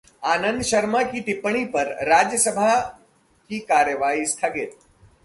आनंद शर्मा की टिप्पणी पर राज्यसभा की कार्यवाही स्थगित